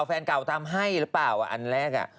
เหรอมอทำให้น่ะอาจว่าอันแรก